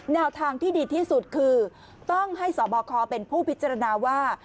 แนวทางที่ดีที่สุดคือต้องให้สบคเป็นผู้พิจารณาว่า